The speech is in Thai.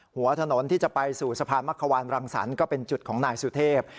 หัวถนนที่จะไปสู่สะพานมักขวานรังสรรค์ก็เป็นจุดของนายสุเทพ